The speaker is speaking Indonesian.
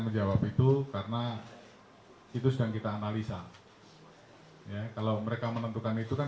kalau begitu k dan m itu menggerakkan mereka melalui apa pak komunikasi